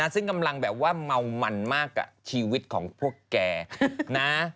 ซึ่งกำลังแบบว่าเมามันมากกับชีวิตของพวกแกนะ